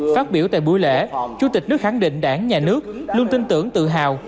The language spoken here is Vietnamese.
phát biểu tại buổi lễ chủ tịch nước khẳng định đảng nhà nước luôn tin tưởng tự hào